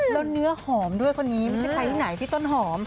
แล้วเนื้อหอมด้วยคนนี้ไม่ใช่ใครที่ไหนพี่ต้นหอม